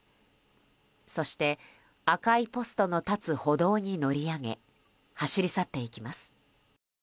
そして、赤いポストの立つ歩道に乗り上げ走り去っていきます。